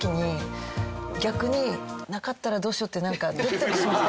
逆になかったらどうしようってなんかドキドキしません？